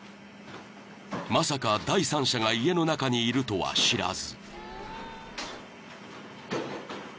［まさか第三者が家の中にいるとは知らず］